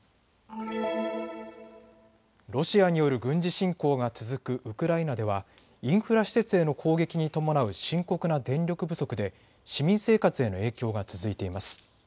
ロシアによる軍事侵攻が続くウクライナではインフラ施設への攻撃に伴う深刻な電力不足で市民生活への影響が続いています。